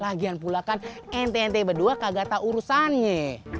lagian pula kan ente ente berdua kagak tahu urusannya